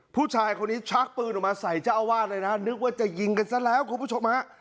ผู้ชายคนนี้ชักปืนออกมาใส่เจ้าอาวาสเลยนะนึกว่าจะยิงกันซะแล้วคุณผู้ชมฮะ